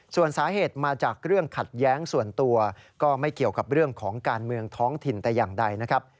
ส่วนสาเหตุมาจากเรื่องขัดแย้งส่วนตัวก็ไม่เกี่ยวกับเรื่องของการเมืองท้องถิ่นแต่อย่างใดนะครับ